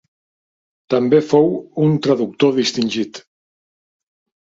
També fou un traductor distingit.